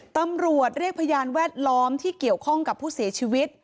ตำรวจเรียกพยานแวดล้อมที่เกี่ยวข้องกับผู้เสียชีวิต